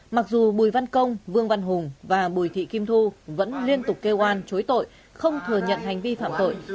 mặc dù bùi văn công vương văn hùng và bùi thị kim thu vẫn liên tục kêu oan chối tội không thừa nhận hành vi phạm tội